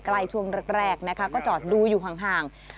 ใกล้ช่วงแรกนะคะก็จอดดูอยู่ห่าง